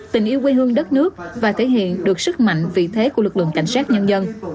tình yêu quê hương đất nước và thể hiện được sức mạnh vị thế của lực lượng cảnh sát nhân dân